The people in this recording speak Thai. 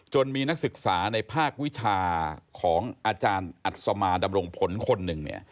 มีนักศึกษาในภาควิชาของอาจารย์อัศมาดำรงผลคนหนึ่ง